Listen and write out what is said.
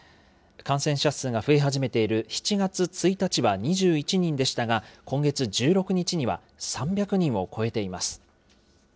感染者数が増え始めている７月１日は２１人でしたが、今月１６日には、３００人を超えています。